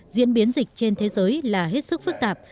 diễn biến dịch trên thế giới là hết sức phức tạp